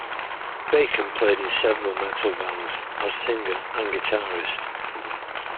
Bacon played in several metal bands, as singer and guitarist.